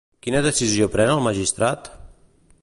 Quina decisió pren el magistrat?